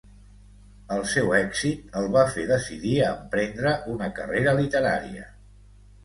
El seu èxit el va fer decidir a emprendre una carrera literària.